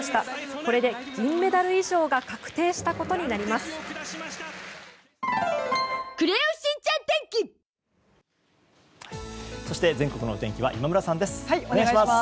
これで銀メダル以上が確定したことになります。